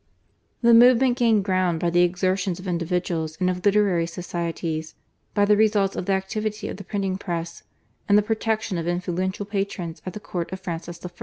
The movement gained ground by the exertions of individuals and of literary societies, by the results of the activity of the printing press, and the protection of influential patrons at the Court of Francis I.